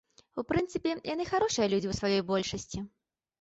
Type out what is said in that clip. У прынцыпе, яны харошыя людзі ў сваёй большасці.